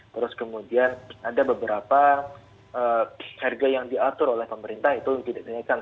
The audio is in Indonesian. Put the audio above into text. terus kemudian ada beberapa harga yang diatur oleh pemerintah itu tidak dinaikkan